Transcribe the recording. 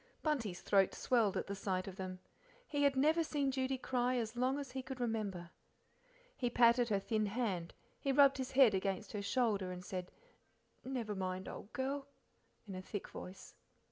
Bunty's throat swelled at the sight of them, he had never seen Judy cry as long as he could remember. He patted her thin hand, he rubbed his head against her shoulder, and said, "Never mind, old girl," in a thick voice.